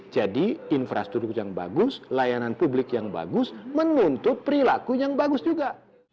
jadi infrastruktur yang bagus layanan publik yang bagus menuntut perilaku yang bagus juga